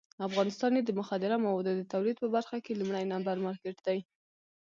افغانستان یې د مخدره موادو د تولید په برخه کې لومړی نمبر مارکېټ کړی.